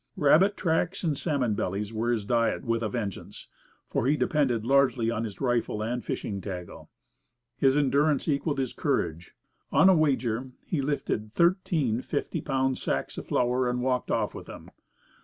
Rabbit tracks and salmon bellies were his diet with a vengeance, for he depended largely on his rifle and fishing tackle. His endurance equalled his courage. On a wager he lifted thirteen fifty pound sacks of flour and walked off with them.